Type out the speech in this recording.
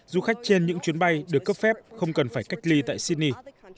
du khách trên những chuyến bay được cấp phép không cần phải cách ly tại sydney